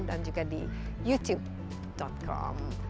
juga di youtube com